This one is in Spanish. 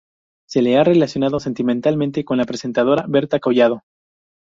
Se le ha relacionado sentimentalmente con la presentadora Berta Collado.